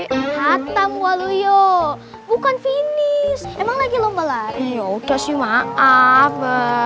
kita mau waluyo bukan finish emang lagi lomba lah ya udah sih maaf